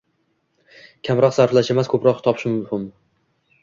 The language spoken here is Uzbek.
Kamroq sarflash emas, ko’proq topish muhim